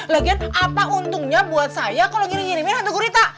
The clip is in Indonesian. lagian apa untungnya buat saya kalau gini ginimin hantu gurita